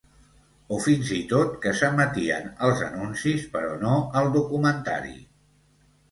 O, fins i tot, que s’emetien els anuncis però no el documentari.